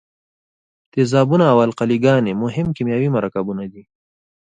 تیزابونه او القلي ګانې مهم کیمیاوي مرکبونه دي.